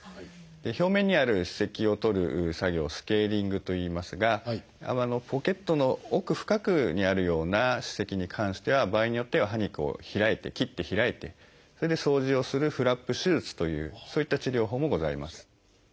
表面にある歯石を取る作業をスケーリングといいますがポケットの奥深くにあるような歯石に関しては場合によっては歯肉を開いて切って開いてそれで掃除をするフラップ手術というそういった治療法もございます。